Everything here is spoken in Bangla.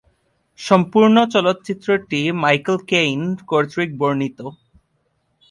সম্পূর্ণ চলচ্চিত্রটি মাইকেল কেইন কর্তৃক বর্ণিত।